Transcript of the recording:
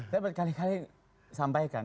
saya berkali kali sampaikan